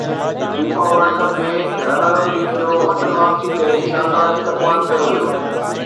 FIFA world cup جي runner up team جو وطن واپسي تي شاندار استقبال ڪيو ويو